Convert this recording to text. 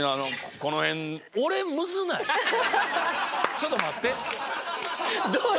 ちょっと待って。